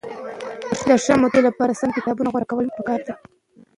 د ښه مطالعې لپاره سم کتابونه غوره کول پکار دي.